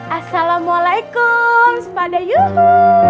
assalamualaikum sepada yuhuu